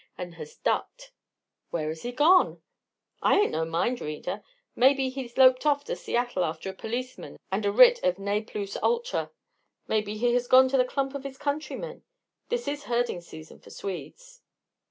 and has ducked." "Where has he gone?" "I ain't no mind reader; maybe he's loped off to Seattle after a policeman and a writ of ne plus ultra. Maybe he has gone after a clump of his countrymen this is herding season for Swedes."